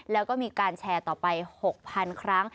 แล้วก็มีการแชร์ต่อไป๖๐๐๐ครั้ง